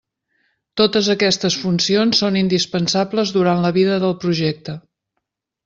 Totes aquestes funcions són indispensables durant la vida del projecte.